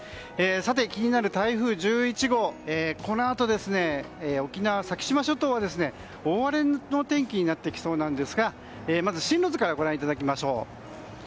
さて、気になる台風１１号このあと沖縄・先島諸島は大荒れのお天気になってきそうなんですがまず進路図からご覧いただきましょう。